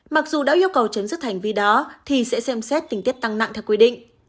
mặc dù đã yêu cầu chấm dứt hành vi đó thì sẽ xem xét tình tiết tăng nặng theo quy định